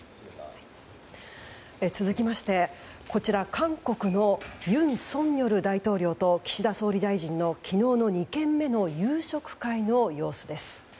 続きましてこちら、韓国の尹錫悦大統領と岸田総理大臣の昨日の２軒目の夕食会の様子です。